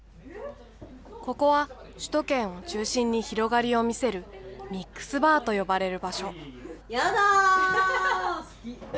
ここは首都圏を中心に広がりを見せる、ミックスバーと呼ばれる場所。